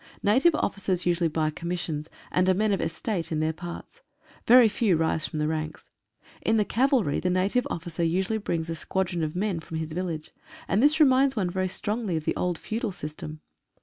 Native officers usually buy commissions, and are men of estate in their parts. Very few rise from the ranks. In the cavalry the native officer usually brings a squadron of men from his village, and this reminds one very strongly of the old feudal system.